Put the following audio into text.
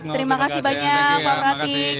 terima kasih banyak pak pratik